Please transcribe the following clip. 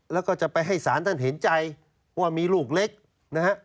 แล้วก็จะไปให้ศาลท่านเห็นใจว่ามีลูกเล็กนะฮะ